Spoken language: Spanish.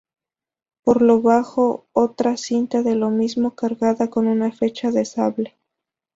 Por lo bajo otra cinta de lo mismo cargada con una fecha de sable.